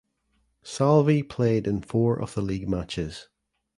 Salvi played in four of the league matches.